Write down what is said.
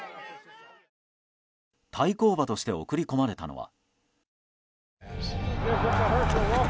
対抗馬として送り込まれたのは。